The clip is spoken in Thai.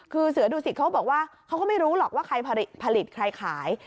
คือเสือดูสิตเขาบอกว่าเขาก็ไม่รู้หรอกว่าใครผลิตใครขาย